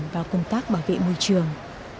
vào công tác bảo vệ môi trường